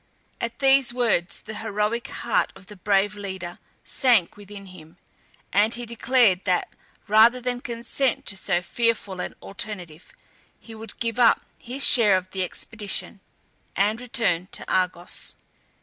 At these words, the heroic heart of the brave leader sank within him, and he declared that rather than consent to so fearful an alternative, he would give up his share in the expedition and return to Argos.